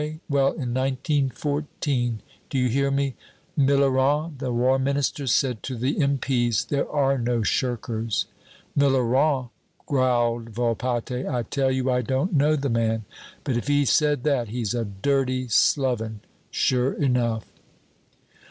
"Well, in 1914 do you hear me? Millerand, the War Minister, said to the M.P.'s, 'There are no shirkers.'" "Millerand!" growled Volpatte. "I tell you, I don't know the man; but if he said that, he's a dirty sloven, sure enough!"